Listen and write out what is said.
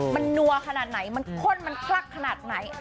มันนัวขนาดไหนมันข้นมันคลักขนาดไหน